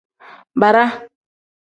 Bara.